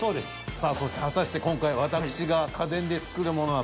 さあそして果たして今回私が家電で作るものは。